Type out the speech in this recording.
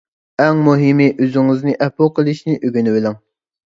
ئەڭ مۇھىمى، ئۆزىڭىزنى ئەپۇ قىلىشنى ئۆگىنىۋېلىڭ.